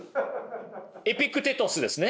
エピクテトスですね！